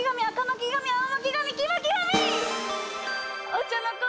お茶の子